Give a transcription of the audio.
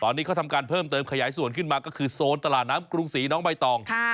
ตอนนี้เขาทำการเพิ่มเติมขยายส่วนขึ้นมาก็คือโซนตลาดน้ำกรุงศรีน้องใบตอง